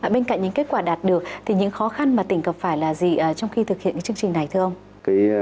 bên cạnh những kết quả đạt được những khó khăn mà tỉnh gặp phải là gì trong khi thực hiện chương trình này